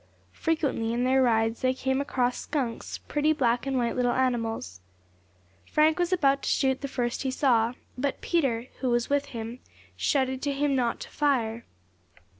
Frequently, in their rides, they came across skunks, pretty black and white little animals. Frank was about to shoot the first he saw, but Peter, who was with him, shouted to him not to fire.